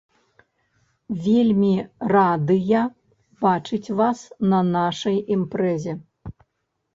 Вельмі радыя бачыць вас на нашай імпрэзе.